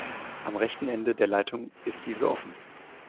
Am rechten Ende der Leitung ist diese offen.